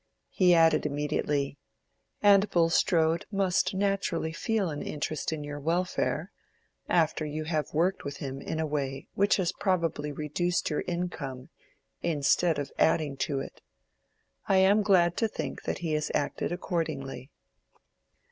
He added immediately, "And Bulstrode must naturally feel an interest in your welfare, after you have worked with him in a way which has probably reduced your income instead of adding to it. I am glad to think that he has acted accordingly."